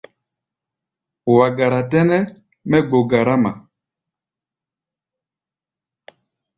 Wa gara tɛ́nɛ́ mɛ́ gbo garáma.